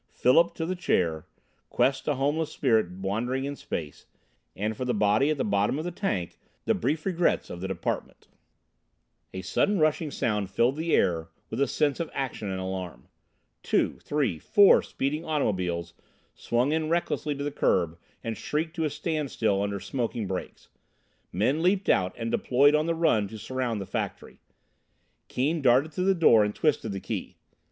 Philip to the chair, Quest a homeless spirit wandering in space, and for the body at the bottom of the tank, the brief regrets of the Department! A sudden rushing sound filled the air with a sense of action and alarm. Two three four speeding automobiles swung in recklessly to the curb and shrieked to a standstill under smoking brakes. Men leaped out and deployed on the run to surround the factory. Keane darted to the door and twisted the key.